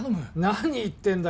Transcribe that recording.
何言ってんだ